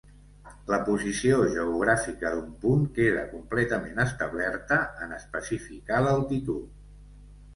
La posició geogràfica d'un punt queda completament establerta en especificar l'altitud.